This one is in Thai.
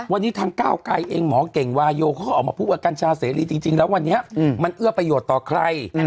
วันนี้ทางก้าวไกรเองหมอเก่งวาโยเขาก็ออกมาพูดว่ากัญชาเสรีจริงแล้ววันนี้มันเอื้อประโยชน์ต่อใคร